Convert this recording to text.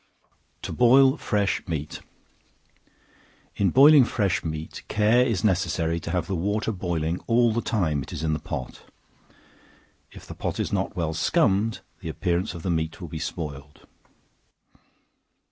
To Boil Fresh Meat. In boiling fresh meat, care is necessary to have the water boiling all the time it is in the pot; if the pot is not well scummed, the appearance of the meat will be spoiled.